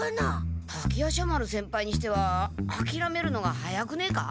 滝夜叉丸先輩にしてはあきらめるのが早くねえか？